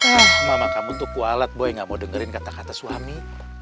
ah mama kamu tuh kualet boy gak mau dengerin kata kata suami